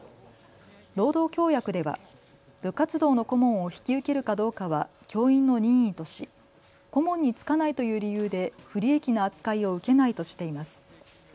労働協約では部活動の顧問を引き受けるかどうかは教員の任意とし顧問に就かないという理由で不利益な扱いを受けないとしています。